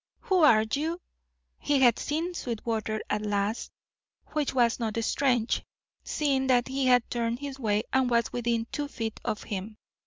Who are you?" He had seen Sweetwater at last, which was not strange, seeing that he had turned his way, and was within two feet of him.